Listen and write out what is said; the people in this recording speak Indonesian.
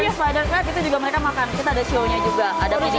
giant spider crab itu juga mereka makan kita ada show nya juga ada feeding